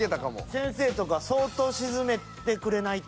先生とか相当静めてくれないと。